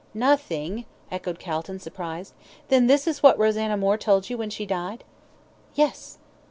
"Nothing," echoed Calton, surprised, "then this is what Rosanna Moore told you when she died?" "Yes!"